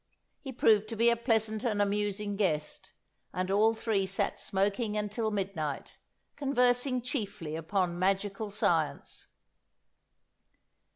He proved to be a pleasant and amusing guest, and all three sat smoking until midnight, conversing chiefly upon magical science.